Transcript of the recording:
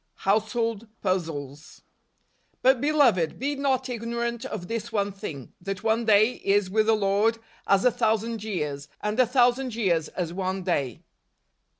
Household Puzzles. ' But, beloved, be not ignorant of this one thing, that one day is with the Lord as a thousand years, and a thousand years as one day."